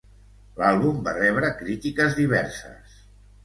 L'àlbum va rebre crítiques diverses.